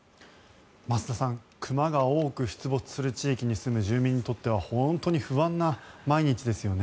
増田さん熊が多く出没する地域に住む住民にとっては本当に不安な毎日ですよね。